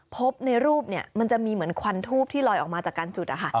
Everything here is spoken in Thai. พบในรูปมันจะมีเหมือนควันทูบที่ลอยออกมาจากการจุด